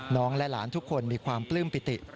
และหลานทุกคนมีความปลื้มปิติ